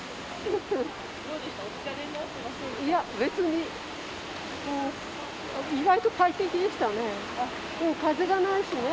いや別に意外と快適でしたね。